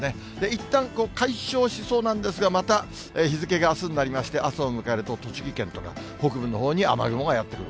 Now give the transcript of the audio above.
いったん解消しそうなんですが、また日付があすになりまして、朝を迎えると栃木県とか北部のほうに雨雲がやって来る。